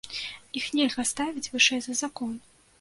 Іх нельга ставіць вышэй за закон.